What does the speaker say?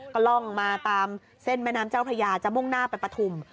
ก็ล่องมาตามเส้นแม่น้ำเจ้าพระยาจะมุ่งหน้าไปปฐุม